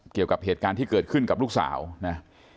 เกี่ยวกับเหตุการณ์ที่เกิดขึ้นกับลูกสาวนะ